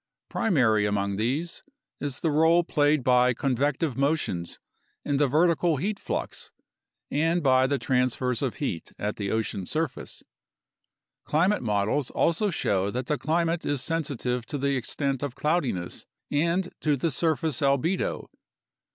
Primary among these is the role played by convective motions in the vertical heat flux and by the transfers of heat at the ocean surface. Climate models also show that the climate is sensitive to the extent of cloudiness and to the surface albedo.